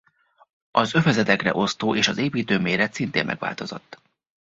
Az övezetekre osztó és az építő méret szintén megváltozott.